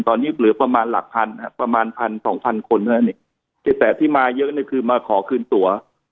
ตอนนี้เหลือประมาณหลักพันธุ์ประมาณ๑๐๐๐๒๐๐๐คนแต่ที่มาเยอะก็คือมาขอคืนตัว